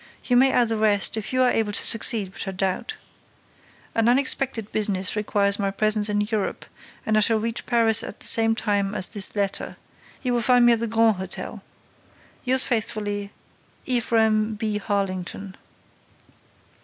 You may add the rest, if you are able to succeed, which I doubt. An unexpected business requires my presence in Europe and I shall reach Paris at the same time as this letter. You will find me at the Grand Hôtel. Yours faithfully, EPHRAIM B. HARLINGTON.